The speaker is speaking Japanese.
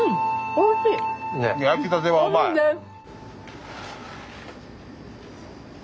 おいしいです。